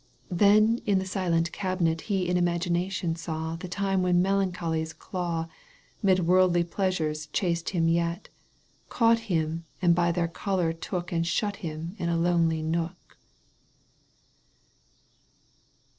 Then in the silent cabinet He in imagination saw The time when Melancholy's claw 'Mid worldly pleasures chased him yet, Caught him and by the collar took And shut him in a lonely nook.